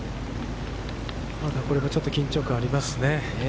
これもちょっと、また緊張感がありますね。